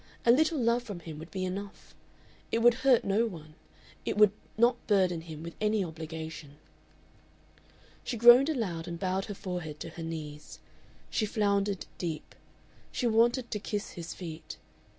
A little love from him would be enough. It would hurt no one. It would not burden him with any obligation." She groaned aloud and bowed her forehead to her knees. She floundered deep. She wanted to kiss his feet.